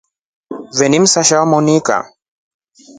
Ife ni msasha akwa wewonika.